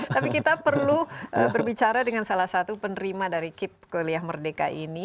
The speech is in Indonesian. tapi kita perlu berbicara dengan salah satu penerima dari kip kuliah merdeka ini